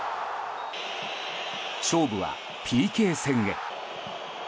勝負はＰＫ戦へ。